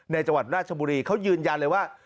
จังหวัดราชบุรีเขายืนยันเลยว่า